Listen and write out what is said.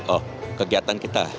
oh kegiatan kita